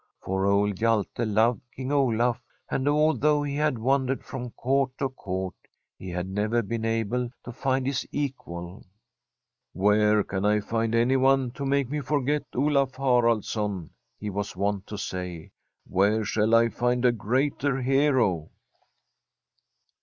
For old Hjalte loved King Olaf, and although he had wandered from court to court he had never been able to find his equal. ' Where can I find anyone to make me forget ASTRID Olaf Haraldsson ?' he was wont to say. ' Where shall I find a greater hero